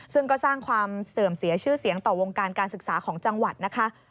ซึ่งก็สร้างความเสื่อมเสียชื่อเสียงต่อวงการการศึกษาของจังหวัดนะคะ